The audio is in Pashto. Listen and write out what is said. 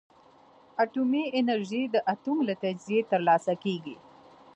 اټومي انرژي د اتوم له تجزیې ترلاسه کېږي.